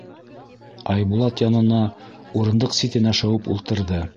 — Айбулат янына урындыҡ ситенә шыуып ултырҙы.